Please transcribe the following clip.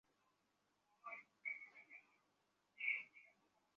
কথা তো অনেক বড় বড় বলতি।